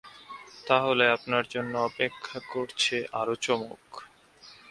তাহলে আপনার জন্য অপেক্ষা করছে আরো চমক!